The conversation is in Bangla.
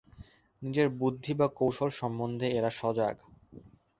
নিজের বুদ্ধি বা কৌশল সম্বন্ধে এরা সজাগ।